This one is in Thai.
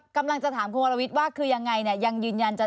ปกำลังจะถามคุณพลวิธว่าคือยังง่ายยังยืนยัน